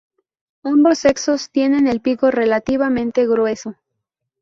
Ambos sexos tienen el pico relativamente grueso.